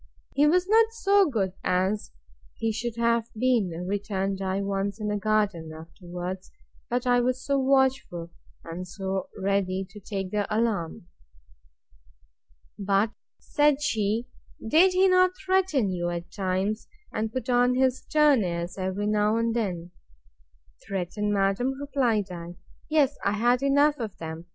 He was not so good as he should have been, returned I, once in the garden, afterwards; but I was so watchful, and so ready to take the alarm! But, said she, did he not threaten you, at times, and put on his stern airs, every now and then?—Threaten, madam, replied I; yes, I had enough of that!